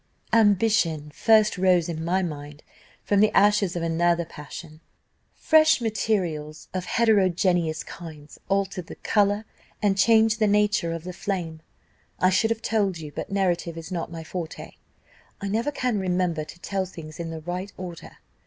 "Ambition first rose in my mind from the ashes of another passion. Fresh materials, of heterogeneous kinds, altered the colour, and changed the nature of the flame: I should have told you, but narrative is not my forte I never can remember to tell things in their right order.